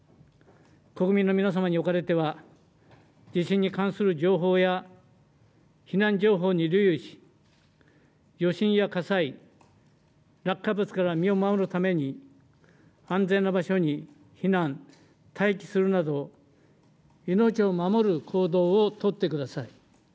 国民の皆様におかれては地震に関する情報や避難情報に留意し余震や火災、落下物から身を守るために安全な場所に避難、待機するなど命を守る行動を取ってください。